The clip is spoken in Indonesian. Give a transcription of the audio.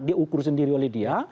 dia ukur sendiri oleh dia